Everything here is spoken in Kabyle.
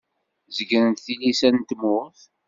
Zegrent tilisa n tmurt.